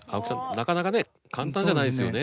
なかなかね簡単じゃないですよね。